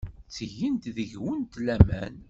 Ttgeɣ deg-went laman.